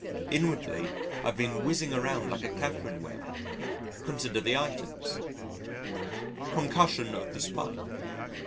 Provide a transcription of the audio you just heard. Inwardly, I have been whizzing around like a Catherine Wheel. Consider the items: Concussion of the spine.